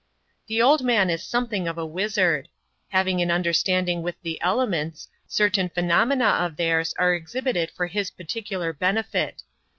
The old man is something of a wizard. Having an under standing with the elements, certain phenomena of theirs are exhibited for his particular benefit.